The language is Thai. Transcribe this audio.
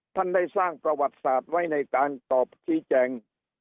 ท่านได้สร้างประวัติศาสตร์ไว้ในการตอบชี้แจง